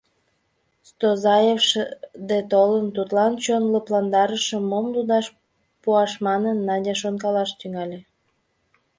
Стозаев шыде толын, тудлан чон лыпландарышым мом лудаш пуаш манын, Надя шонкалаш тӱҥале.